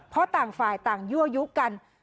เพราะต่างฝ่ายต่างยั่วยุกัน